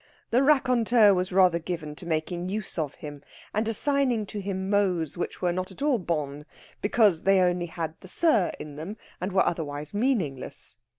The raconteur was rather given to making use of him, and assigning to him mots which were not at all bons, because they only had the "sir" in them, and were otherwise meaningless.